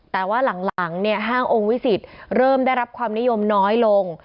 แต่ว่าหลังห้างองค์วิสิตเริ่มได้รับความนิยมน้อยลง